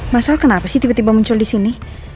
mas al kenapa sih tiba tiba muncul di sini